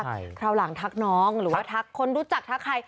ทั้งหลังทักน้องหรือทักคนรู้จักทักใคร